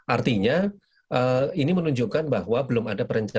artinya ini menunjukkan bahwa belum ada perencanaan